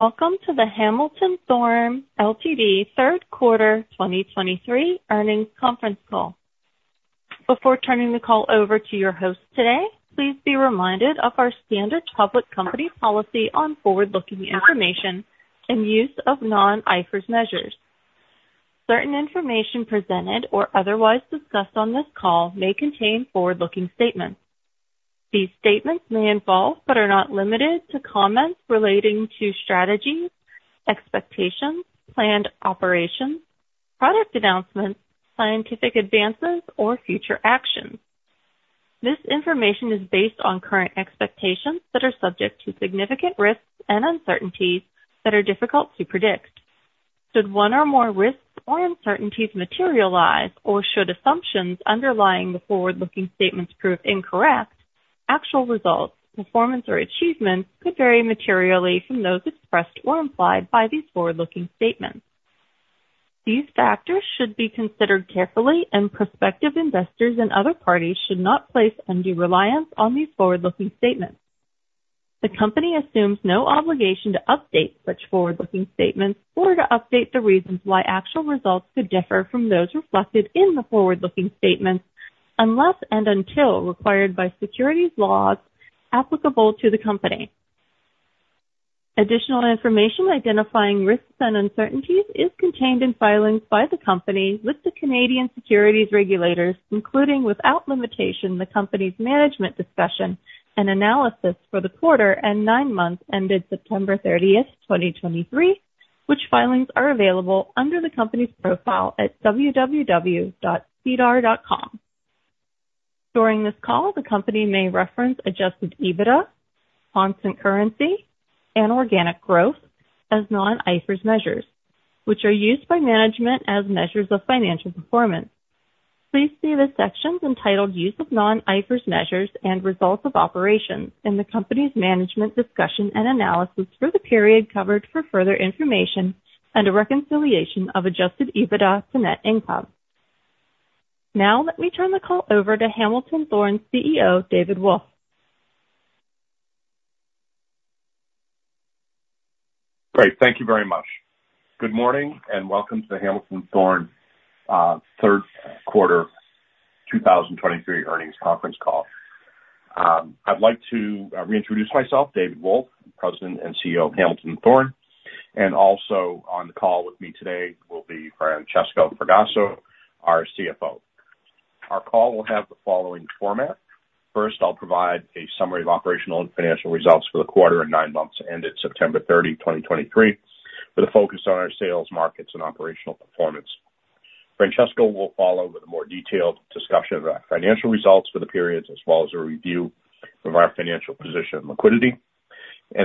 Welcome to the Hamilton Thorne Ltd. 3Q 2023 earnings conference call. Before turning the call over to your host today, please be reminded of our standard public company policy on forward-looking information and use of non-IFRS measures. Certain information presented or otherwise discussed on this call may contain forward-looking statements. These statements may involve, but are not limited to, comments relating to strategies, expectations, planned operations, product announcements, scientific advances, or future actions. This information is based on current expectations that are subject to significant risks and uncertainties that are difficult to predict. Should one or more risks or uncertainties materialize, or should assumptions underlying the forward-looking statements prove incorrect, actual results, performance, or achievements could vary materially from those expressed or implied by these forward-looking statements. These factors should be considered carefully, and prospective investors and other parties should not place undue reliance on these forward-looking statements. The company assumes no obligation to update such forward-looking statements or to update the reasons why actual results could differ from those reflected in the forward-looking statements unless and until required by securities laws applicable to the company. Additional information identifying risks and uncertainties is contained in filings by the company with the Canadian securities regulators, including, without limitation, the company's management discussion and analysis for the quarter and nine months ended 30 September 2023, which filings are available under the company's profile at www.sedar.com. During this call, the company may reference Adjusted EBITDA, Constant Currency, and Organic Growth as non-IFRS measures, which are used by management as measures of financial performance. Please see the sections entitled Use of Non-IFRS Measures and Results of Operations in the company's management discussion and analysis for the period covered for further information and a reconciliation of Adjusted EBITDA to net income. Now, let me turn the call over to Hamilton Thorne's CEO, David Wolf. Great. Thank you very much. Good morning, and welcome to the Hamilton Thorne 3Q 2023 earnings conference call. I'd like to reintroduce myself, David Wolf, President and CEO of Hamilton Thorne, and also on the call with me today will be Francesco Fragasso, our CFO. Our call will have the following format. First, I'll provide a summary of operational and financial results for the quarter and nine months ended 30 September 2023, with a focus on our sales, markets, and operational performance. Francesco will follow with a more detailed discussion of our financial results for the periods, as well as a review of our financial position and liquidity.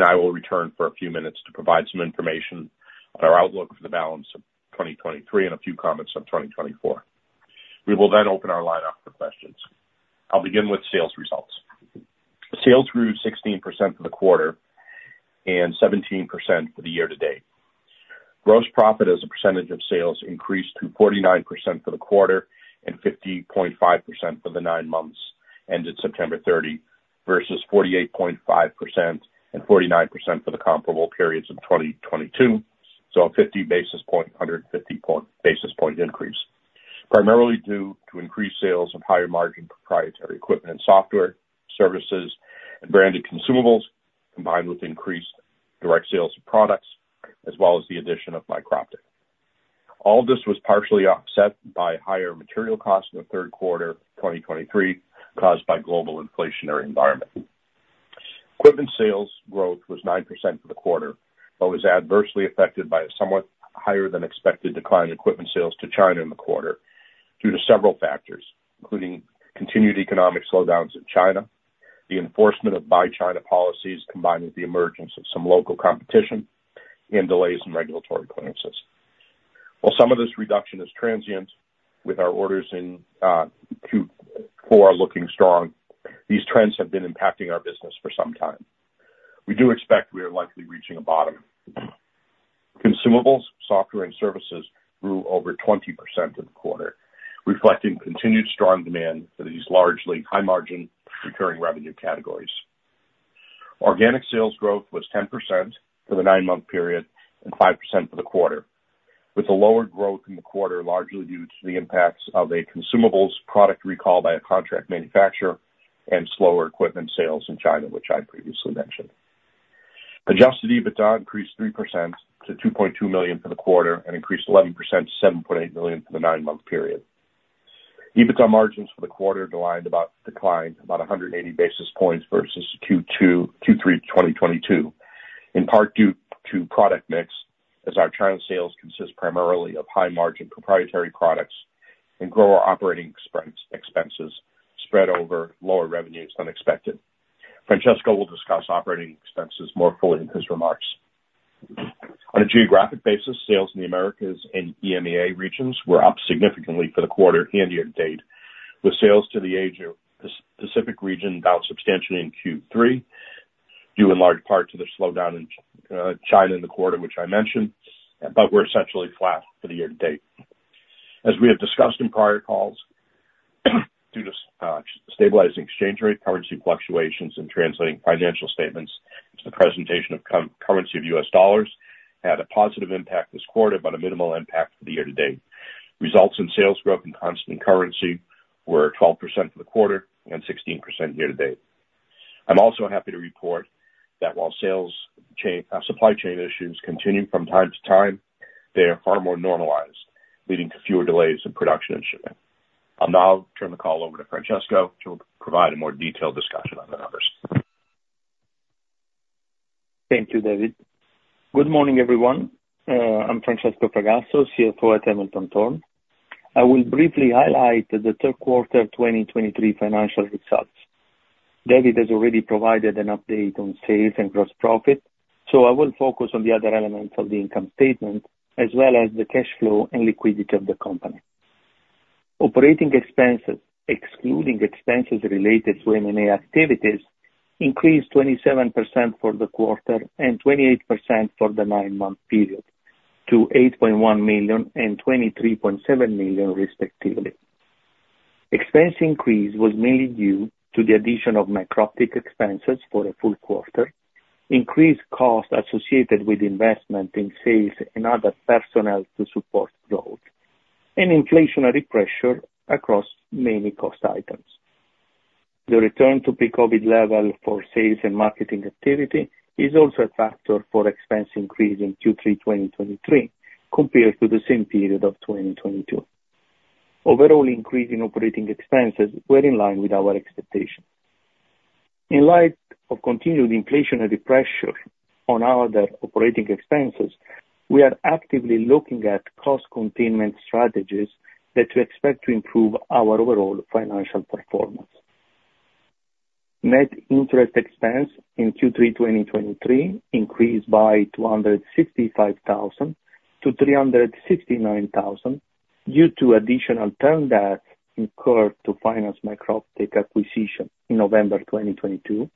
I will return for a few minutes to provide some information on our outlook for the balance of 2023 and a few comments on 2024. We will then open our lineup for questions. I'll begin with sales results. Sales grew 16% for the quarter and 17% for the year to date. Gross profit as a percentage of sales increased to 49% for the quarter and 50.5% for the 9 months ended 30 September versus 48.5% and 49% for the comparable periods in 2022. So a 50 basis point, 150 basis point increase, primarily due to increased sales of higher margin proprietary equipment and software, services, and branded consumables, combined with increased direct sales of products, as well as the addition of Microptic. All this was partially offset by higher material costs in the 3Q of 2023, caused by global inflationary environment. Equipment sales growth was 9% for the quarter, but was adversely affected by a somewhat higher than expected decline in equipment sales to China in the quarter due to several factors, including continued economic slowdowns in China, the enforcement of Buy China policies, combined with the emergence of some local competition and delays in regulatory clearances. While some of this reduction is transient, with our orders in Q4 are looking strong, these trends have been impacting our business for some time. We do expect we are likely reaching a bottom. Consumables, software and services grew over 20% for the quarter, reflecting continued strong demand for these largely high margin recurring revenue categories. Organic sales growth was 10% for the 9-month period and 5% for the quarter, with the lower growth in the quarter largely due to the impacts of a consumables product recall by a contract manufacturer and slower equipment sales in China, which I previously mentioned. Adjusted EBITDA increased 3% to $2.2 million for the quarter and increased 11% to $7.8 million for the 9-month period. EBITDA margins for the quarter declined about 180 basis points versus 2022, 2023, in part due to product mix, as our China sales consist primarily of high-margin proprietary products and our operating expenses spread over lower revenues than expected. Francesco will discuss operating expenses more fully in his remarks. On a geographic basis, sales in the Americas and EMEA regions were up significantly for the quarter and year to date, with sales to the Asia Pacific region down substantially in Q3, due in large part to the slowdown in China in the quarter, which I mentioned, but we're essentially flat for the year to date. As we have discussed in prior calls, due to stabilizing exchange rate, currency fluctuations, and translating financial statements to the presentation currency of U.S. dollars, had a positive impact this quarter, but a minimal impact for the year to date. Results in sales growth and constant currency were 12% for the quarter and 16% year to date. I'm also happy to report that while supply chain issues continue from time to time, they are far more normalized, leading to fewer delays in production and shipping. I'll now turn the call over to Francesco, who will provide a more detailed discussion on the numbers. Thank you, David. Good morning, everyone. I'm Francesco Fragasso, CFO at Hamilton Thorne. I will briefly highlight the 3Q of 2023 financial results. David has already provided an update on sales and gross profit, so I will focus on the other elements of the income statement, as well as the cash flow and liquidity of the company. Operating expenses, excluding expenses related to M&A activities, increased 27% for the quarter and 28% for the 9-month period to $8.1 million and $23.7 million, respectively. Expense increase was mainly due to the addition of Microptic expenses for a full quarter, increased costs associated with investment in sales and other personnel to support growth, and inflationary pressure across many cost items. The return to pre-COVID level for sales and marketing activity is also a factor for expense increase in Q3, 2023, compared to the same period of 2022. Overall increase in operating expenses were in line with our expectations. In light of continued inflationary pressure on our other operating expenses, we are actively looking at cost containment strategies that we expect to improve our overall financial performance. Net interest expense in Q3, 2023, increased by $265,000 - $369,000, due to additional term debt incurred to finance Microptic acquisition in November 2022,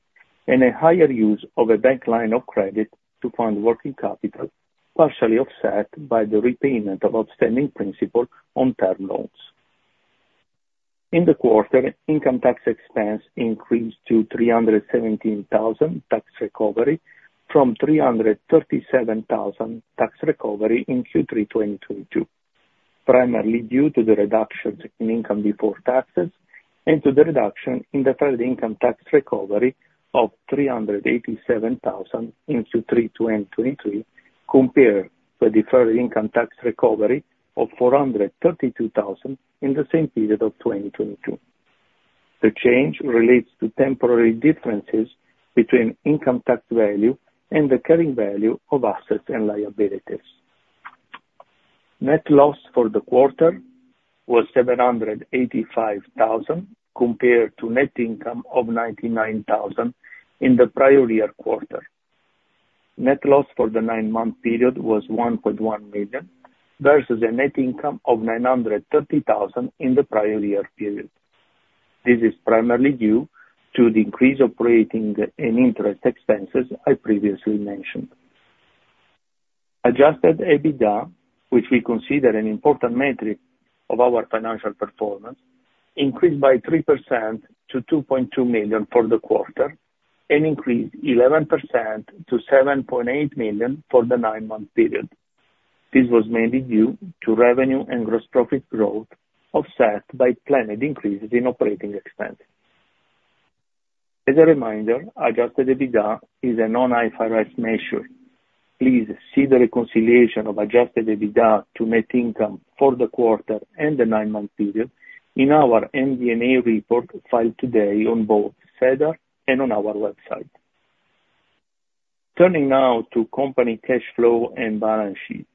and a higher use of a bank line of credit to fund working capital, partially offset by the repayment of outstanding principal on term loans. In the quarter, income tax expense increased to $317 thousand tax recovery from $337 thousand tax recovery in Q3 2022. Primarily due to the reductions in income before taxes and to the reduction in the deferred income tax recovery of $387 thousand in Q3 2023, compared to a deferred income tax recovery of $432 thousand in the same period of 2022. The change relates to temporary differences between income tax value and the carrying value of assets and liabilities. Net loss for the quarter was $785 thousand, compared to net income of $99 thousand in the prior year quarter. Net loss for the nine-month period was $1.1 million, versus a net income of $930 thousand in the prior year period. This is primarily due to the increased operating and interest expenses I previously mentioned. Adjusted EBITDA, which we consider an important metric of our financial performance, increased by 3% to $2.2 million for the quarter, and increased 11% to $7.8 million for the 9-month period. This was mainly due to revenue and gross profit growth, offset by planned increases in operating expenses. As a reminder, adjusted EBITDA is a non-IFRS measure. Please see the reconciliation of adjusted EBITDA to net income for the quarter and the nine-month period in our MD&A report filed today on both SEDAR and on our website. Turning now to company cash flow and balance sheet.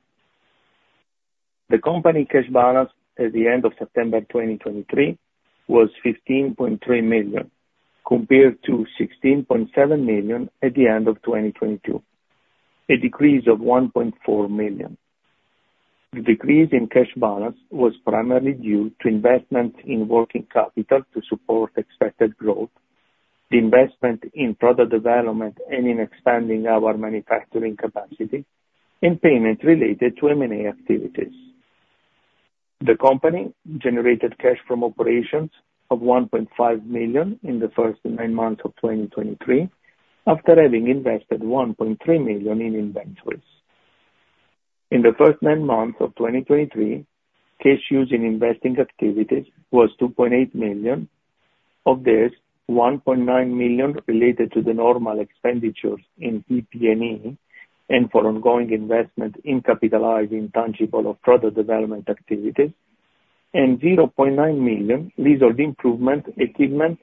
The company's cash balance at the end of September 2023 was $15.3 million, compared to $16.7 million at the end of 2022, a decrease of $1.4 million. The decrease in cash balance was primarily due to investment in working capital to support expected growth, the investment in product development, and in expanding our manufacturing capacity, and payments related to M&A activities. The company generated cash from operations of $1.5 million in the first 9 months of 2023, after having invested $1.3 million in inventories. In the first 9 months of 2023, cash used in investing activities was $2.8 million. Of this, $1.9 million related to the normal expenditures in PP&E and for ongoing investment in capitalizing tangible of product development activities, and $0.9 million leasehold improvement, equipment,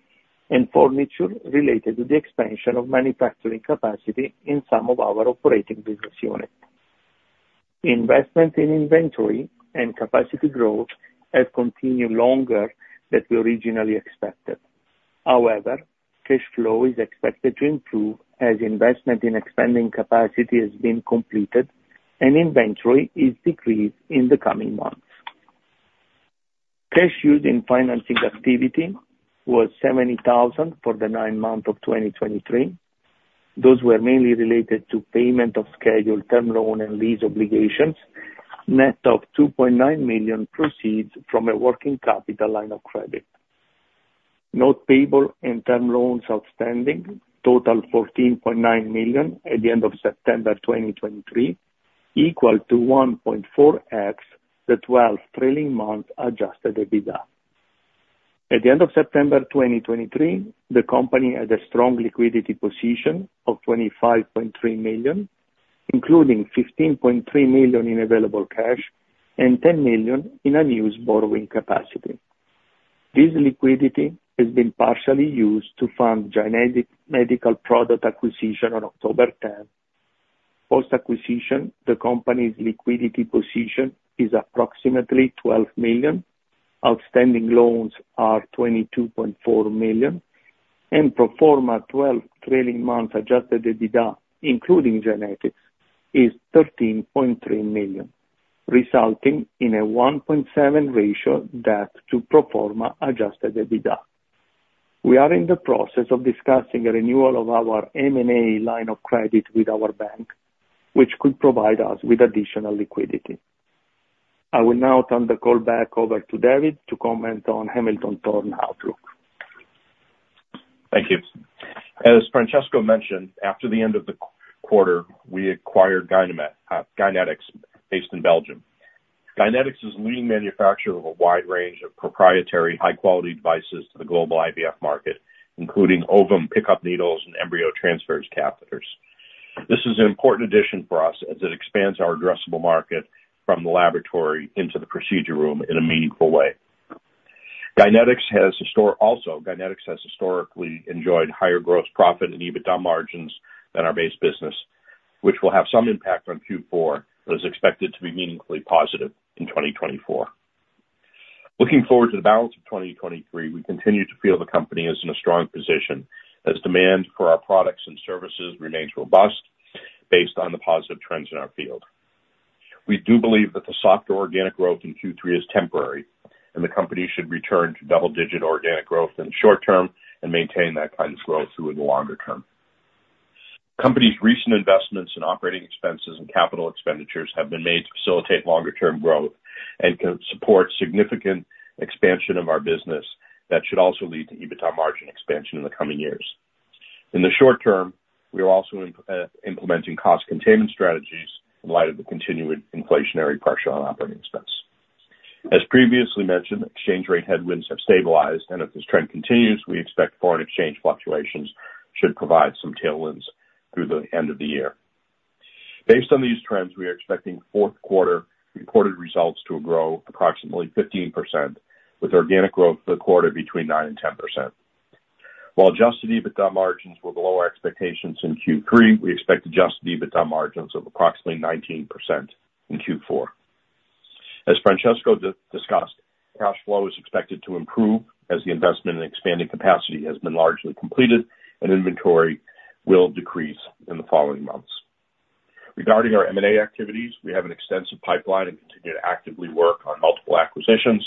and furniture related to the expansion of manufacturing capacity in some of our operating business units. Investment in inventory and capacity growth have continued longer than we originally expected. However, cash flow is expected to improve as investment in expanding capacity has been completed and inventory is decreased in the coming months. Cash used in financing activity was $70,000 for the 9 months of 2023. Those were mainly related to payment of scheduled term loan and lease obligations, net of $2.9 million proceeds from a working capital line of credit. Note payable and term loans outstanding total $14.9 million at the end of September 2023, equal to 1.4x the 12 trailing month Adjusted EBITDA. At the end of September 2023, the company had a strong liquidity position of $25.3 million, including $15.3 million in available cash and $10 million in unused borrowing capacity. This liquidity has been partially used to fund Gynetics Medical Products acquisition on 10 October. Post-acquisition, the company's liquidity position is approximately $12 million. Outstanding loans are $22.4 million, and pro forma 12 trailing month Adjusted EBITDA, including Gynetics, is $13.3 million, resulting in a 1.7 ratio debt to pro forma Adjusted EBITDA. We are in the process of discussing a renewal of our M&A line of credit with our bank, which could provide us with additional liquidity. I will now turn the call back over to David to comment on Hamilton Thorne outlook. Thank you. As Francesco mentioned, after the end of the quarter, we acquired Gynetics, based in Belgium. Gynetics is a leading manufacturer of a wide range of proprietary, high-quality devices to the global IVF market, including ovum pickup needles and embryo transfer catheters. This is an important addition for us as it expands our addressable market from the laboratory into the procedure room in a meaningful way. Gynetics has also historically enjoyed higher gross profit and EBITDA margins than our base business, which will have some impact on Q4, but is expected to be meaningfully positive in 2024. Looking forward to the balance of 2023, we continue to feel the company is in a strong position as demand for our products and services remains robust based on the positive trends in our field. We do believe that the softer organic growth in Q3 is temporary and the company should return to double-digit organic growth in the short term and maintain that kind of growth through the longer term. Company's recent investments in operating expenses and capital expenditures have been made to facilitate longer term growth and can support significant expansion of our business. That should also lead to EBITDA margin expansion in the coming years. In the short term, we are also implementing cost containment strategies in light of the continuing inflationary pressure on operating expense. As previously mentioned, exchange rate headwinds have stabilized, and if this trend continues, we expect foreign exchange fluctuations should provide some tailwinds through the end of the year. Based on these trends, we are expecting fourth quarter reported results to grow approximately 15%, with organic growth for the quarter between 9% and 10%. While adjusted EBITDA margins were below our expectations in Q3, we expect adjusted EBITDA margins of approximately 19% in Q4. As Francesco discussed, cash flow is expected to improve as the investment in expanding capacity has been largely completed and inventory will decrease in the following months. Regarding our M&A activities, we have an extensive pipeline and continue to actively work on multiple acquisitions.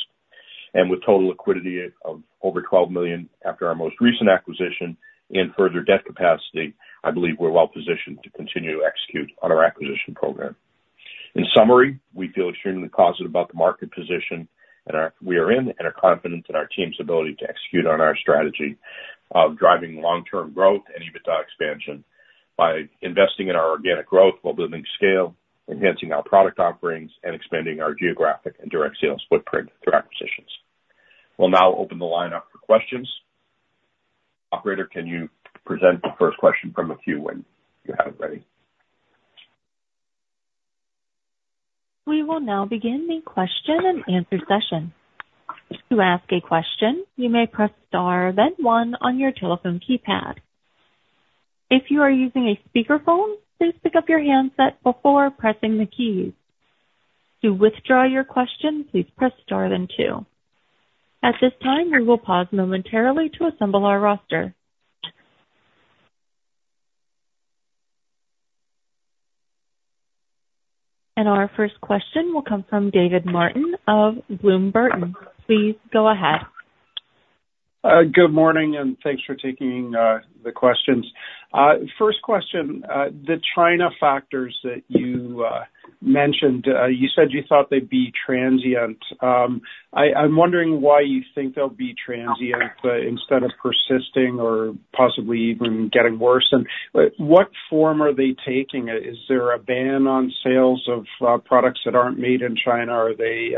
And with total liquidity of over $12 million after our most recent acquisition and further debt capacity, I believe we're well positioned to continue to execute on our acquisition program. In summary, we feel extremely positive about the market position we are in and are confident in our team's ability to execute on our strategy of driving long-term growth and EBITDA expansion by investing in our organic growth while building scale, enhancing our product offerings, and expanding our geographic and direct sales footprint through acquisitions. We'll now open the line up for questions. Operator, can you present the first question from the queue when you have it ready? We will now begin the question and answer session. To ask a question, you may press star, then one on your telephone keypad. If you are using a speakerphone, please pick up your handset before pressing the keys. To withdraw your question, please press star then two. At this time, we will pause momentarily to assemble our roster. Our first question will come from David Martin of Bloom Burton. Please go ahead. Good morning, and thanks for taking the questions. First question, the China factors that you mentioned, you said you thought they'd be transient. I'm wondering why you think they'll be transient, instead of persisting or possibly even getting worse. And what form are they taking? Is there a ban on sales of products that aren't made in China? Are they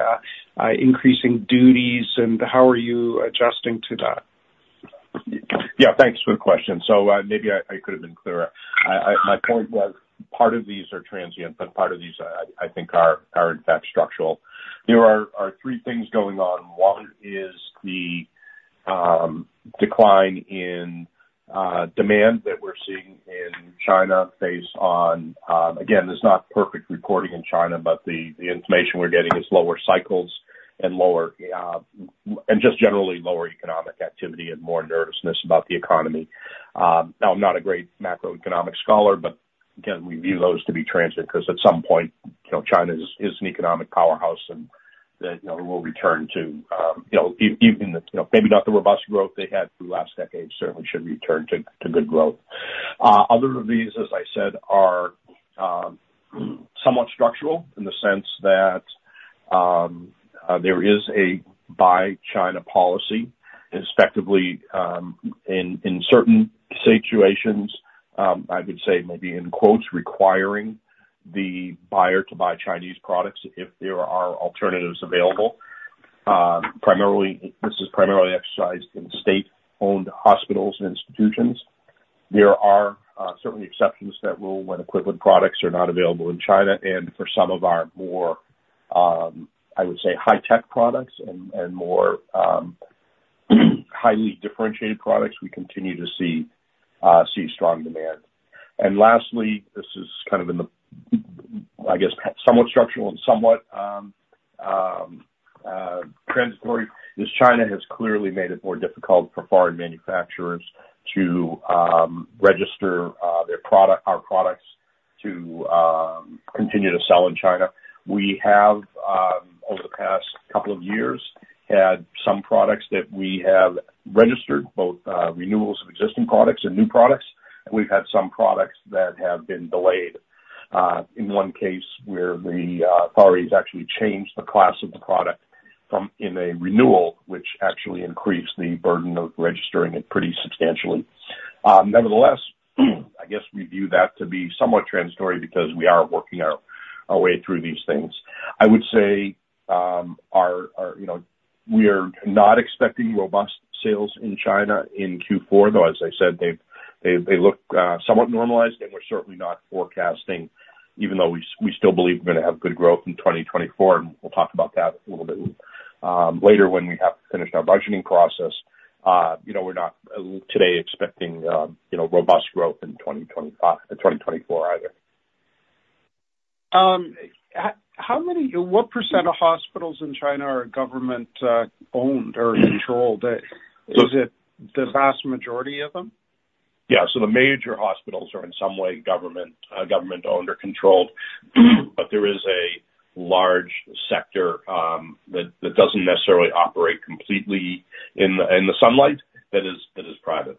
increasing duties, and how are you adjusting to that? Yeah, thanks for the question. So, maybe I could have been clearer. My point was, part of these are transient, but part of these, I think are in fact structural. There are three things going on. One is the decline in demand that we're seeing in China based on, again, there's not perfect reporting in China, but the information we're getting is lower cycles and lower and just generally lower economic activity and more nervousness about the economy. I'm not a great macroeconomic scholar, but again, we view those to be transient because at some point, you know, China is an economic powerhouse and that, you know, will return to, you know, even, you know, maybe not the robust growth they had through the last decade, certainly should return to good growth. Other of these, as I said, are somewhat structural in the sense that there is a Buy China policy, respectively, in certain situations. I would say maybe in quotes, "requiring" the buyer to buy Chinese products if there are alternatives available. Primarily, this is primarily exercised in state-owned hospitals and institutions. There are certainly exceptions to that rule when equivalent products are not available in China, and for some of our more, I would say, high tech products and more highly differentiated products, we continue to see strong demand. And lastly, this is kind of in the, I guess, somewhat structural and somewhat transitory, is China has clearly made it more difficult for foreign manufacturers to register their product, our products to continue to sell in China. We have, over the past couple of years, had some products that we have registered, both, renewals of existing products and new products. We've had some products that have been delayed, in one case where the authorities actually changed the class of the product from, in a renewal, which actually increased the burden of registering it pretty substantially. Nevertheless, I guess we view that to be somewhat transitory because we are working our way through these things. I would say, you know, we are not expecting robust sales in China in Q4, though, as I said, they look somewhat normalized, and we're certainly not forecasting, even though we still believe we're gonna have good growth in 2024, and we'll talk about that a little bit, later when we have finished our budgeting process. You know, we're not today expecting, you know, robust growth in 2025- in 2024 either. How many, what percent of hospitals in China are government owned or controlled? So- Is it the vast majority of them? Yeah. So the major hospitals are in some way government, government owned or controlled. But there is a large sector that doesn't necessarily operate completely in the sunlight, that is private.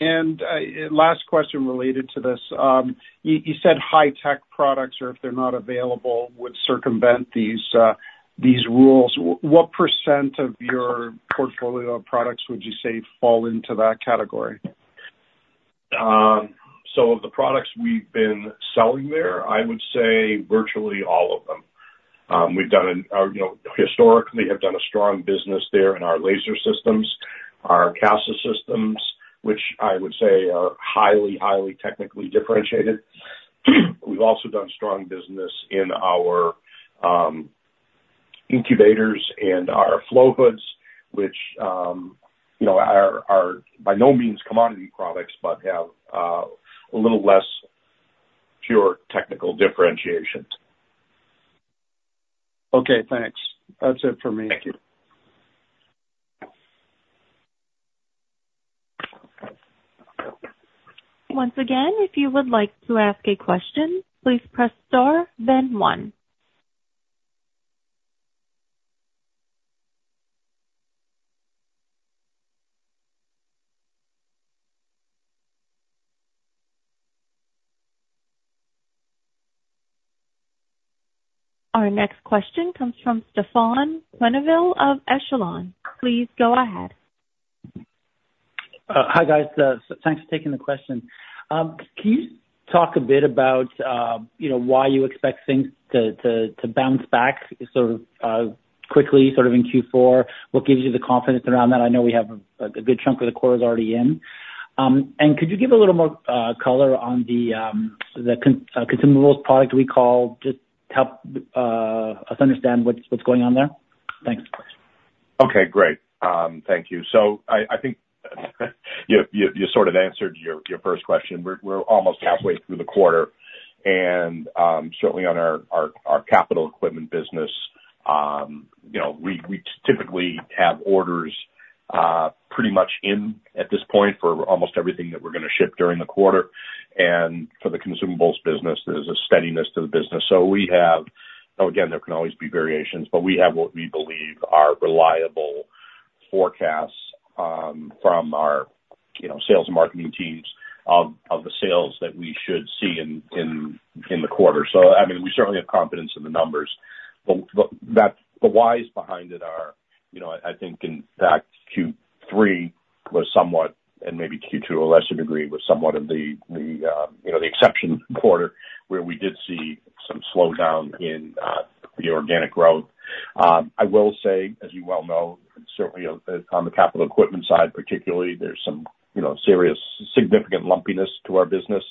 Last question related to this. You said high tech products or if they're not available, would circumvent these rules. What perecent of your portfolio of products would you say fall into that category? So of the products we've been selling there, I would say virtually all of them. You know, historically, have done a strong business there in our Laser Systems, our CASA systems, which I would say are highly, highly technically differentiated. We've also done strong business in our incubators and our flow hoods, which, you know, are by no means commodity products, but have a little less pure technical differentiations. Okay, thanks. That's it for me. Thank you. Once again, if you would like to ask a question, please press Star, then one. Our next question comes from Stefan Quenneville of Echelon. Please go ahead. Hi, guys. So thanks for taking the question. Can you talk a bit about, you know, why you expect things to bounce back sort of quickly, sort of in Q4? What gives you the confidence around that? I know we have a good chunk of the quarter already in. And could you give a little more color on the consumables product recall, just help us understand what's going on there? Thanks. Okay, great. Thank you. So I think you sort of answered your first question. We're almost halfway through the quarter, and certainly on our capital equipment business, you know, we typically have orders pretty much in at this point for almost everything that we're gonna ship during the quarter. And for the consumables business, there's a steadiness to the business. So we have, again, there can always be variations, but we have what we believe are reliable forecasts from our, you know, sales and marketing teams of the sales that we should see in the quarter. So, I mean, we certainly have confidence in the numbers, but that's the whys behind it are, you know, I think in fact Q3 was somewhat, and maybe Q2 to a lesser degree, was somewhat of the exception quarter, where we did see some slowdown in the organic growth. I will say, as you well know, certainly on the capital equipment side, particularly, there's some serious significant lumpiness to our business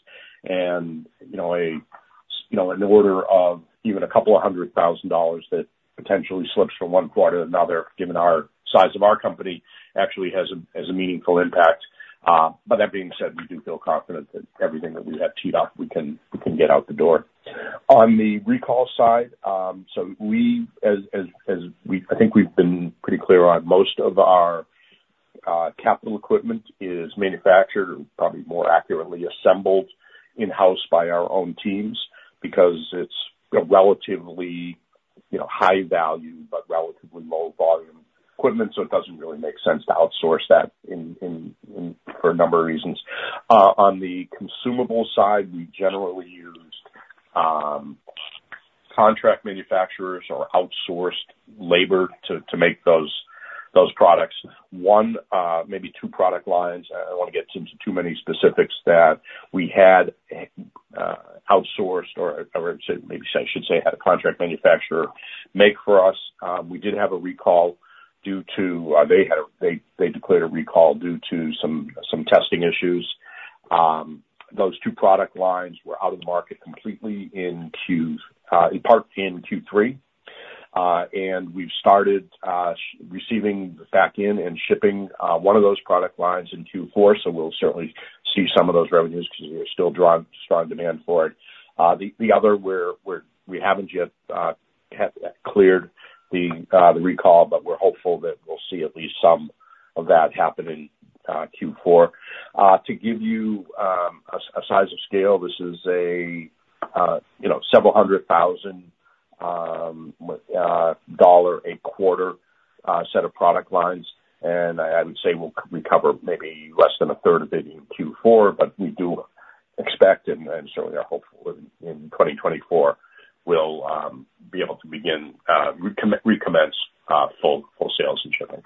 and, you know, an order of even a couple hundred thousand dollars that potentially slips from one quarter to another, given the size of our company, actually has a meaningful impact. But that being said, we do feel confident that everything that we have teed up, we can get out the door. On the recall side, so I think we've been pretty clear on most of our... Capital equipment is manufactured, or probably more accurately assembled, in-house by our own teams because it's a relatively, you know, high value but relatively low volume equipment, so it doesn't really make sense to outsource that for a number of reasons. On the consumable side, we generally use contract manufacturers or outsourced labor to make those products. One, maybe two product lines, I don't want to get into too many specifics, that we had outsourced or maybe I should say, had a contract manufacturer make for us. We did have a recall due to... They declared a recall due to some testing issues. Those two product lines were out of the market completely in part in Q4. And we've started receiving back in and shipping one of those product lines in Q4, so we'll certainly see some of those revenues because there's still strong, strong demand for it. The other, we haven't yet cleared the recall, but we're hopeful that we'll see at least some of that happen in Q4. To give you a size of scale, this is a, you know, several $100,000 a quarter set of product lines, and I would say we'll recover maybe less than a third of it in Q4, but we do expect and certainly are hopeful in 2024, we'll be able to begin recommence full sales and shipping.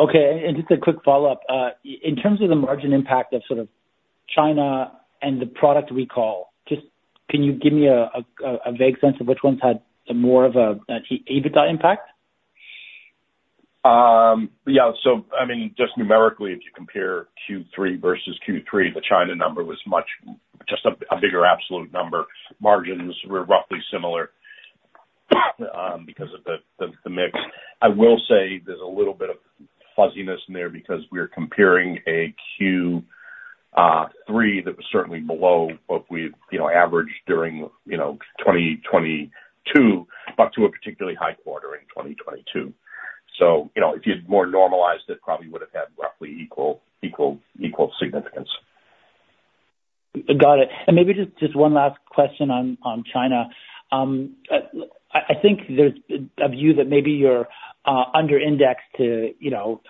Okay, and just a quick follow-up. In terms of the margin impact of sort of China and the product recall, just can you give me a vague sense of which ones had more of a EBITDA impact? Yeah. So I mean, just numerically, if you compare Q3 versus Q3, the China number was much... Just a bigger absolute number. Margins were roughly similar, because of the mix. I will say there's a little bit of fuzziness in there because we're comparing a Q3 that was certainly below what we, you know, averaged during, you know, 2022, but to a particularly high quarter in 2022. So, you know, if you had more normalized, it probably would have had roughly equal, equal, equal significance. Got it. And maybe just one last question on China. I think there's a view that maybe you're under-indexed to, you know,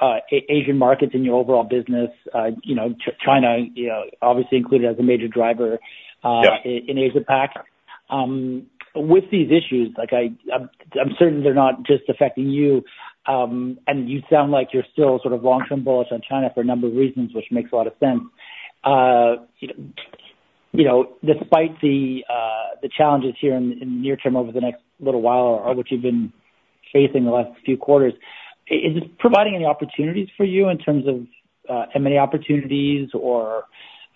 Asian markets in your overall business. You know, China, you know, obviously included as a major driver. Yeah. In Asia Pac. With these issues, like, I'm certain they're not just affecting you, and you sound like you're still sort of long-term bullish on China for a number of reasons, which makes a lot of sense. You know, despite the challenges here in the near term, over the next little while, which you've been facing the last few quarters, is this providing any opportunities for you in terms of M&A opportunities or,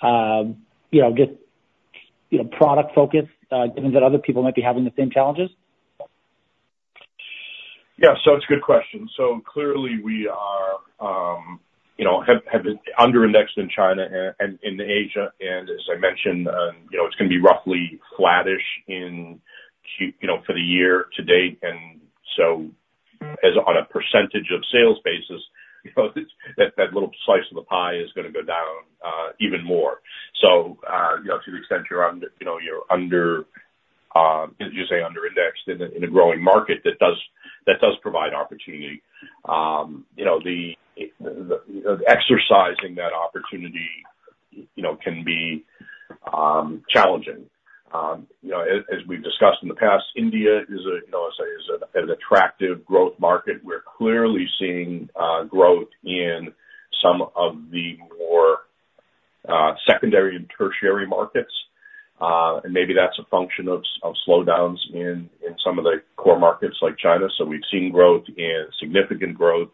you know, just product focus, given that other people might be having the same challenges? Yeah, so it's a good question. So clearly, we have been under-indexed in China and in Asia. And as I mentioned, you know, it's gonna be roughly flattish in Q1 for the year to date. And so as on a percentage of sales basis, you know, that little slice of the pie is gonna go down, even more. So, you know, to the extent you're under, as you say, under-indexed in a growing market, that does provide opportunity. You know, exercising that opportunity can be challenging. You know, as we've discussed in the past, India is, you know, I'll say, an attractive growth market. We're clearly seeing growth in some of the more secondary and tertiary markets. And maybe that's a function of slowdowns in some of the core markets like China. So we've seen significant growth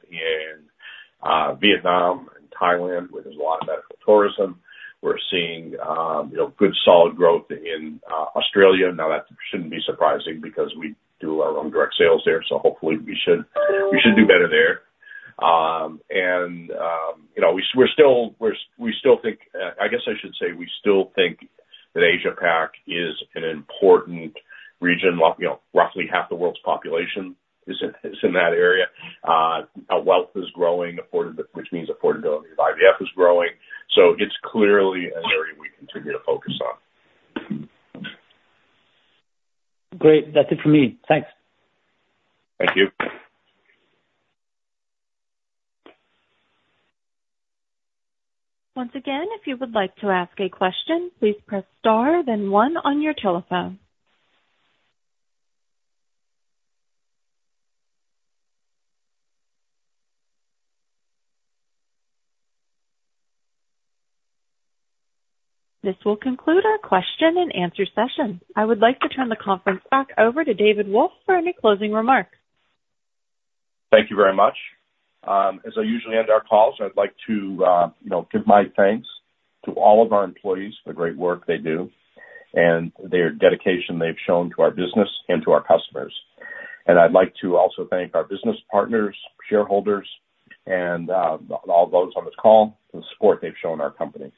in Vietnam and Thailand, where there's a lot of medical tourism. We're seeing you know, good, solid growth in Australia. Now, that shouldn't be surprising because we do our own direct sales there, so hopefully we should do better there. You know, we still think, I guess I should say we still think that Asia Pac is an important region. You know, roughly half the world's population is in that area. Our wealth is growing, which means affordability. IVF is growing, so it's clearly an area we continue to focus on. Great. That's it for me. Thanks. Thank you. Once again, if you would like to ask a question, please press star, then one on your telephone. This will conclude our question and answer session. I would like to turn the conference back over to David Wolf for any closing remarks. Thank you very much. As I usually end our calls, I'd like to, you know, give my thanks to all of our employees for the great work they do and their dedication they've shown to our business and to our customers. I'd like to also thank our business partners, shareholders, and all those on this call, for the support they've shown our company.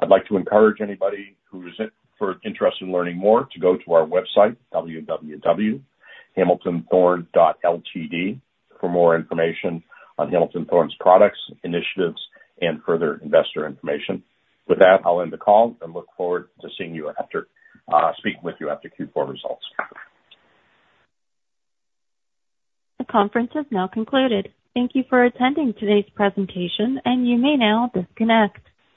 I'd like to encourage anybody who is interested in learning more to go to Our website, www.hamiltonthorne.ltd, for more information on Hamilton Thorne's products, initiatives, and further investor information. With that, I'll end the call and look forward to seeing you after speaking with you after Q4 results. The conference has now concluded. Thank you for attending today's presentation, and you may now disconnect.